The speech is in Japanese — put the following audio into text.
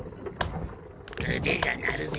うでが鳴るぜ。